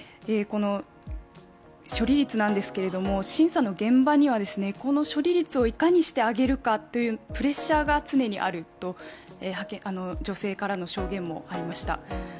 処理率なんですけれども審査の現場には、この処理率をいかにして上げるかというプレッシャーが常にあると女性からの証言もありました。